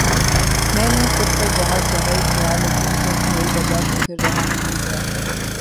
میں نے خود پر بہت جبر کیا لیکن جب ڈھول بجا تو پھر رہا نہیں گیا